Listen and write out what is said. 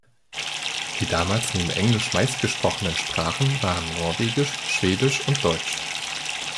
Die damals neben Englisch meist gesprochenen Sprachen waren Norwegisch, Schwedisch und Deutsch.